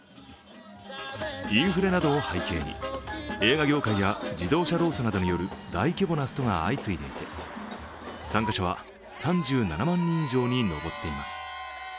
インフレなどを背景に映画業界や自動車労組などによる大規模なストが相次いでいて参加者は３７万人以上に上っています。